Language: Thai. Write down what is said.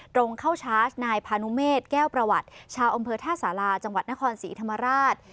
ตรงเข้าชาร์จนายพานุเมษแก้วประวัติชาวอำเภอท่าสาราจังหวัดนครศรีธรรมราช